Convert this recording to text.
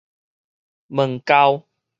毛厚